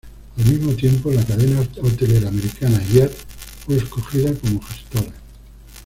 Al mismo tiempo, la cadena hotelera americana Hyatt fue escogida como gestora.